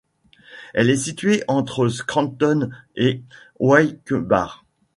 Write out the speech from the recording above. Elle est située entre Scranton et Wilkes-Barre.